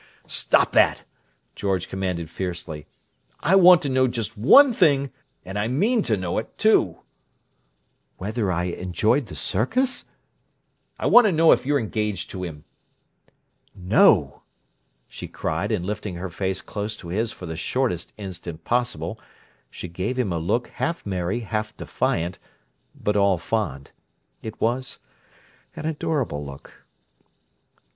"Stop that!" George commanded fiercely. "I want to know just one thing, and I mean to know it, too!" "Whether I enjoyed the circus?" "I want to know if you're engaged to him!" "No!" she cried and lifting her face close to his for the shortest instant possible, she gave him a look half merry, half defiant, but all fond. It was an adorable look.